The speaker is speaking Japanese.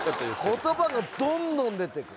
言葉がどんどん出てくる。